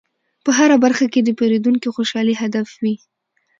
په هره برخه کې د پیرودونکي خوشحالي هدف وي.